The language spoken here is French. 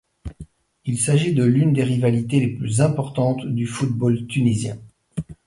Il s'agit de l'une des rivalités les plus importantes du football tunisien.